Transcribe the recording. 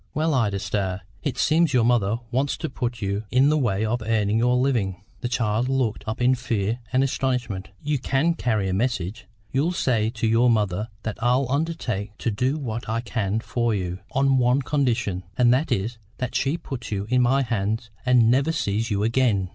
"Well, Ida Starr, it seems your mother wants to put you in the way of earning your living." The child looked up in fear and astonishment. "You can carry a message? You'll say to your mother that I'll undertake to do what I can for you, on one condition, and that is that she puts you in my hands and never sees you again."